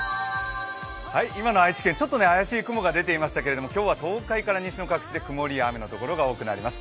今の愛知県、怪しい雲が出ていましたけれども今日は東海から西の各地で曇りや雨のところが多くなります。